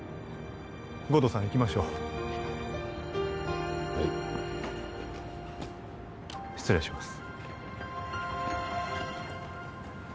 護道さん行きましょうはい失礼します